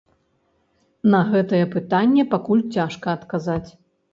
На гэтае пытанне пакуль цяжка адказаць.